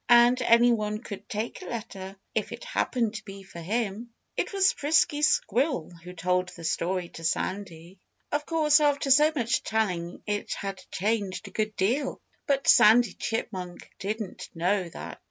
And any one could take a letter if it happened to be for him. It was Frisky Squirrel who told the story to Sandy. Of course, after so much telling it had changed a good deal. But Sandy Chipmunk didn't know that.